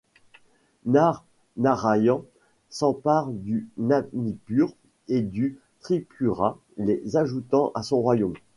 Nar Nârâyan s'empare du Manipur et du Tripura les ajoutant à son royaume.